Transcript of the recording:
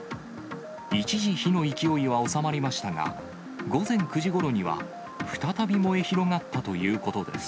一時、火の勢いは収まりましたが、午前９時ごろには、再び燃え広がったということです。